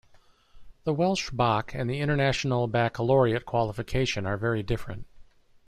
The Welsh Bac and the International Baccalaureate qualification are very different.